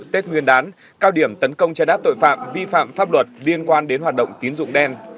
tết nguyên đán cao điểm tấn công chấn áp tội phạm vi phạm pháp luật liên quan đến hoạt động tín dụng đen